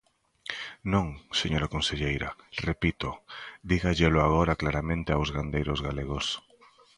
Non, señora conselleira, repito, dígallelo agora claramente aos gandeiros galegos.